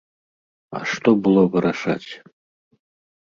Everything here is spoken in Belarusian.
А што было вырашаць?